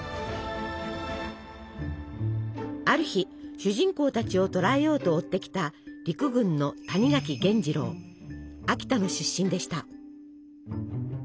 ある日主人公たちを捕らえようと追ってきた陸軍の秋田の出身でした。